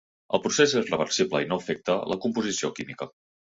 El procés és reversible i no afecta la composició química.